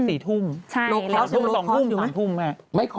หรือ๒ทุ่มหรือ๓ทุ่มแม่